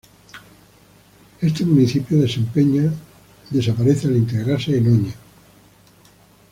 Este municipio desaparece al integrarse en Oña.